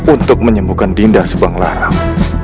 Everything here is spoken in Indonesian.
untuk menyembuhkan dinda subanglarang